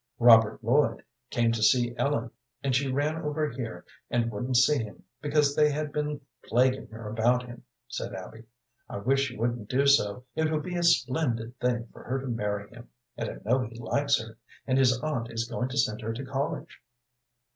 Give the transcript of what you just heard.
"Robert Lloyd came to see Ellen, and she ran away over here, and wouldn't see him, because they had all been plaguing her about him," said Abby. "I wish she wouldn't do so. It would be a splendid thing for her to marry him, and I know he likes her, and his aunt is going to send her to college."